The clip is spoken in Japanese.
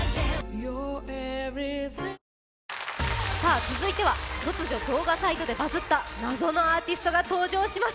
続いては、突如動画サイトでバズった謎のアーティストが登場します。